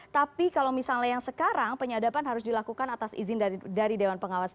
tapi kalau misalnya yang sekarang penyadapan harus dilakukan atas izin dari dewan pengawas